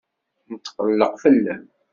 Netqelleq fell-am.